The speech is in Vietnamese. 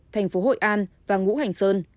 thành phố hội an và ngũ hành sơn